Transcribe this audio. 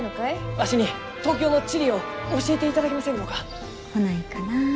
わしに東京の地理を教えていただけませんろうか？来ないかな？